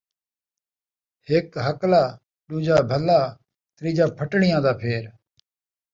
ہک ہکلا ، ݙوجھا بھلا ، تریجھا پھٹڑیاں دا پھیر